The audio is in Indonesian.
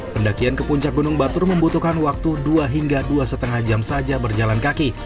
pendakian ke puncak gunung batur membutuhkan waktu dua hingga dua lima jam saja berjalan kaki